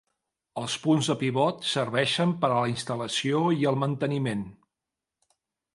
Els punts de pivot serveixen per a la instal·lació i el manteniment.